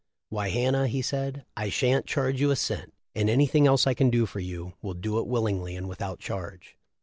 'Why, Hannah,' he said, 'I sha'n't charge you a cent, and anything else I can do for you, will do it willingly and without charge.'